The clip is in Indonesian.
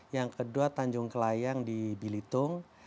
yang kedua tanjung kelayang di bilitung